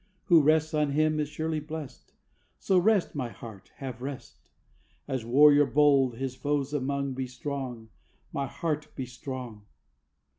Who rests on Him Is surely blest. So rest, my heart, Have rest_! _As warrior bold His foes among, Be strong, my heart, Be strong!